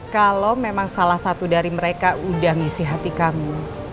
kalau memang salah satu dari mereka udah ngisi hati kamu